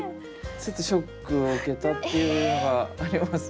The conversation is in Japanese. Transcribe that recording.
ちょっとショックを受けたっていうのがあります。